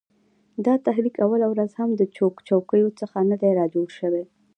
دا تحریک اوله ورځ هم د چوکیو څخه نه دی را جوړ سوی